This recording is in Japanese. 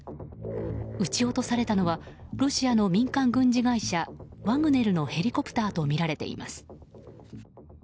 撃ち落とされたのはロシアの民間軍事会社ワグネルのヘリコプターとみられています。